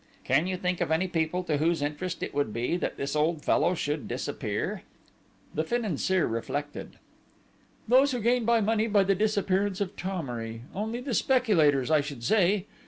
Can you think of any people to whose interest it would be that this old fellow should disappear?" The Financier reflected. "Those who gain money by the disappearance of Thomery only the speculators, I should say.